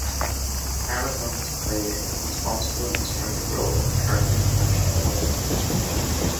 Thailand wants to play a responsible and constructive role in the current international order.